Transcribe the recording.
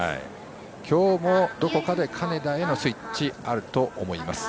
今日もどこかで金田へのスイッチあると思います。